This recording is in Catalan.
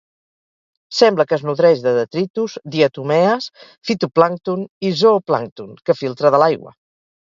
Sembla que es nodreix de detritus, diatomees, fitoplàncton i zooplàncton que filtra de l'aigua.